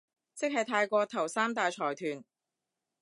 即係泰國頭三大財團